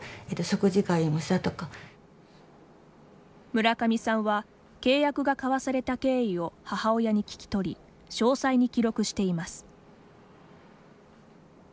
村上さんは契約が交わさた経緯を母親に聞き取り詳細に記録しています。